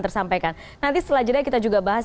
tersampaikan nanti selanjutnya kita juga bahas